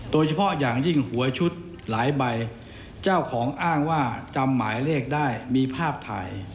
โดยเฉพาะอย่างยิ่งหวยชุดหลายใบเจ้าของอ้างว่าจำหมายเลขได้มีภาพถ่าย